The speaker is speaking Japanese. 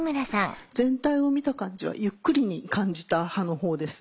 全体を見た感じはゆっくりに感じた派のほうです。